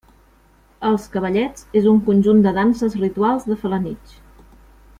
Els cavallets és un conjunt de danses rituals de Felanitx.